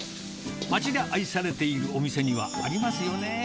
町で愛されているお店にはありますよね。